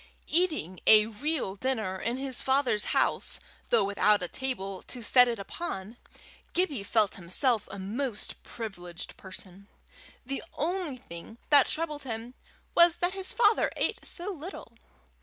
Eating a real dinner in his father's house, though without a table to set it upon, Gibbie felt himself a most privileged person. The only thing that troubled him was that his father ate so little.